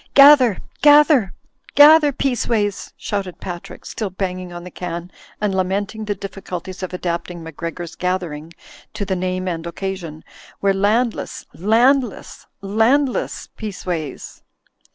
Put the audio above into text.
''Gather, gather, gather, Peaceways," shouted Pat rick, still banging on the can and lamenting the diffi culties of adapting "Macgregor's Gathering" to the name and occasion, "We're landless, landless, landless, Peaceways